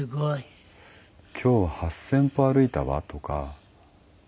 「今日８０００歩歩いたわ」とか。